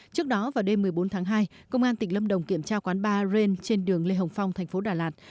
trước đó vào đêm một mươi bốn tháng hai công an tỉnh lâm đồng kiểm tra quán bar rain trên đường lê hồng phong thành phố đà lạt